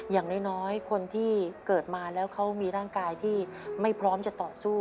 อย่างน้อยคนที่เกิดมาแล้วเขามีร่างกายที่ไม่พร้อมจะต่อสู้